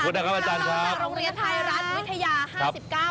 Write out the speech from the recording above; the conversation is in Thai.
ขอบคุณด้านหลวงเรียนไทยรัฐวิทยา๕๙